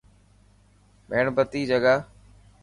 يڻ بتي جگا.